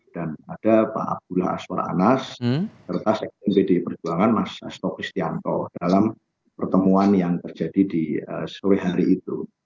dan ada pak abdullah aswar anas serta sekretari wd perjuangan mas astokristianto dalam pertemuan yang terjadi di sore hari itu